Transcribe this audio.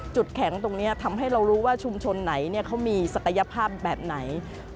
จุดแข็งตรงนี้ทำให้เรารู้ว่าชุมชนไหนเขามีศักยภาพแบบไหน